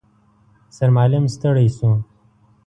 سرمعلم ستړی شو.